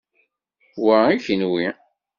Wa i kenwi.